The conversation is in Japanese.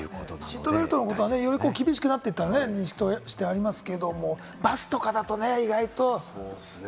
シートベルトのことは厳しくなっているというのは認識でありますけれど、バスとかだと、意外とね。